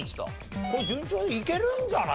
これ順調にいけるんじゃない？